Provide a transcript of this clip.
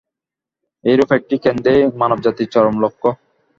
এইরূপ একটি কেন্দ্রেই মানবজাতির চরম লক্ষ্য।